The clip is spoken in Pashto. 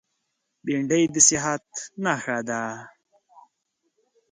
بېنډۍ د صحت نښه ده